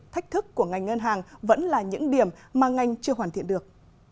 thách thức của ngành ngân hàng vẫn là những điểm mà ngành chưa hoàn thiện được